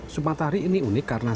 sup matahari ini unik karena